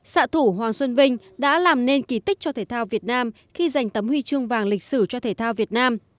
xạ thủ hoàng xuân vinh đã làm nên kỳ tích cho thể thao việt nam khi giành tấm huy chương vàng lịch sử cho thể thao việt nam